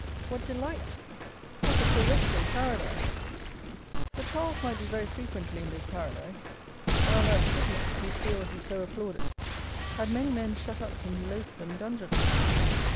What delight! What a terrestrial paradise! "Sir Charles" might be very frequently in this paradise, while that Sidmouth, whose Bill he so applauded, had many men shut up in loathsome dungeons!